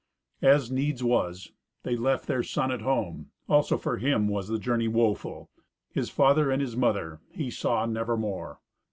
As needs was, they left their son at home. Also for him was the journey woeful: his father and his mother he saw nevermore.